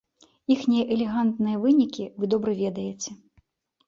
Іхнія элегантныя вынікі вы добра ведаеце.